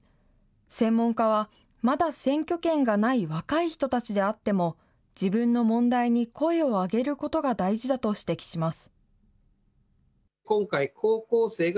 専門家は、まだ選挙権がない若い人たちであっても、自分の問題に声を上げることが大事だと指摘します。